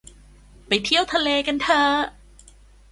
ไปเที่ยวทะเลกันเถอะ